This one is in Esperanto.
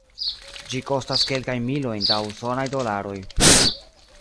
Ĝi kostas kelkajn milojn da usonaj dolaroj.